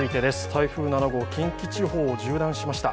台風７号、近畿地方を縦断しました。